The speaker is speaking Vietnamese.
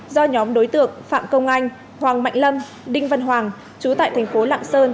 do nhóm đối tượng phạm công anh hoàng mạnh lâm đinh văn hoàng chú tại thành phố lạng sơn